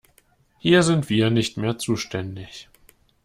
Hier sind wir nicht mehr zuständig.